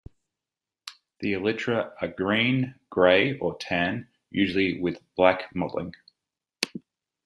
The elytra are green, gray, or tan, usually with black mottling.